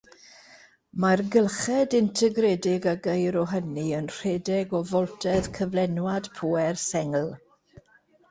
Mae'r gylched integredig a geir o hynny yn rhedeg o foltedd cyflenwad pŵer sengl.